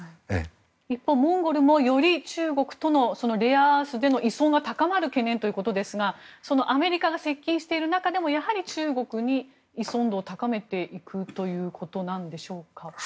一方、モンゴルもより中国とのレアアースでの依存が高まる懸念ということですがアメリカが接近している中でもやはり中国に依存度を高めていくということなんでしょうか。